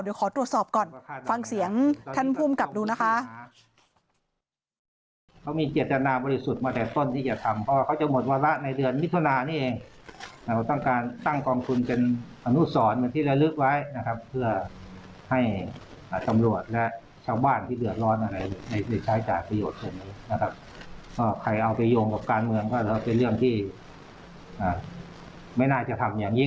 เดี๋ยวขอตรวจสอบก่อนฟังเสียงท่านภูมิกับดูนะคะ